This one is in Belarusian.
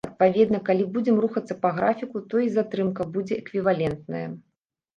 Адпаведна, калі будзем рухацца па графіку, то і затрымка будзе эквівалентная.